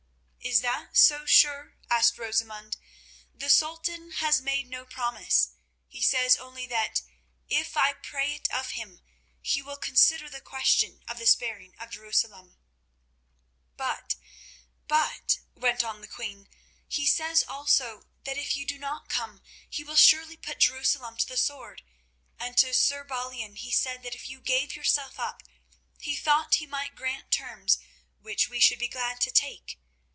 "Is that so sure?" asked Rosamund. "The Sultan has made no promise; he says only that, if I pray it of him, he will consider the question of the sparing of Jerusalem." "But—but," went on the queen, "he says also that if you do not come he will surely put Jerusalem to the sword, and to Sir Balian he said that if you gave yourself up he thought he might grant terms which we should be glad to take.